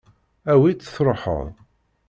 Awi-tt, tṛuḥeḍ.